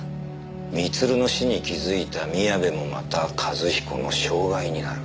光留の死に気づいた宮部もまた一彦の障害になる。